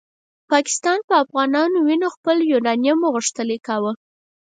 پاکستان په افغانانو وینو خپل یورانیوم غښتلی کاوه.